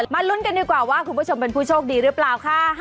ลุ้นกันดีกว่าว่าคุณผู้ชมเป็นผู้โชคดีหรือเปล่าค่ะ